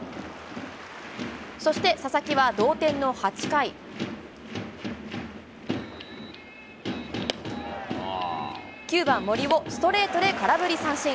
そして佐々木は同点の８回、９番・森をストレートで空振り三振。